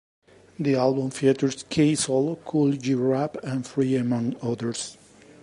The album features K-Solo, Kool G Rap, and Free among others.